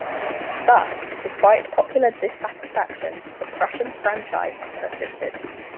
Thus, despite popular dissatisfaction, the Prussian franchise persisted.